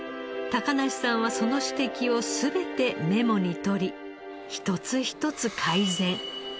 梨さんはその指摘を全てメモに取り一つ一つ改善。